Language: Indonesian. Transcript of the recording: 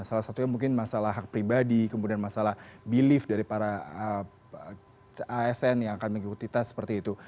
salah satunya mungkin masalah hak pribadi kemudian masalah belief dari para asn yang akan mengikuti tes seperti itu